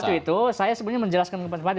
waktu itu saya sebenarnya menjelaskan kepada mas adi